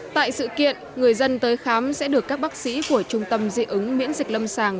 tại sự kiện người dân tới khám sẽ được các bác sĩ của trung tâm dị ứng miễn dịch lâm sàng